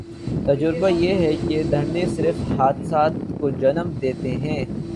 تجربہ یہ ہے کہ دھرنے صرف حادثات کو جنم دیتے ہیں۔